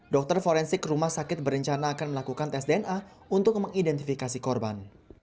dokter forensik rumah sakit berencana akan melakukan tes dna untuk mengidentifikasi korban